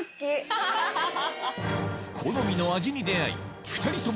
好みの味に出合い２人とも